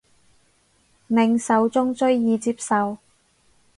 令受眾最易接受